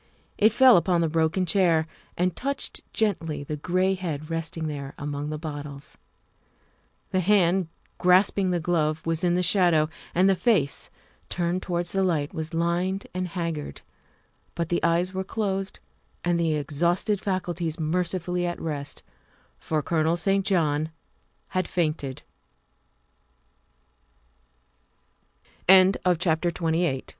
It fell upon the broken chair and touched gently the gray head resting there among the bottles. The hand grasping the glove was in the shadow and the face turned towards the light was lined and haggard, but the eyes were closed and the exhausted faculties mercifully at rest, for Colonel